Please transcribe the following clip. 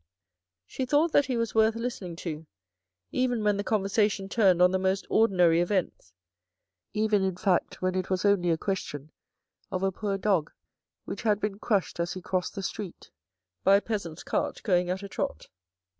She thought that he was worth listening to, even when the con versation turned on the most ordinary events, even in fact when it was only a question of a poor dog which had been THE ELECTIVE AFFINITIES 39 crushed as he crossed the street by a peasant's cart going at a trot.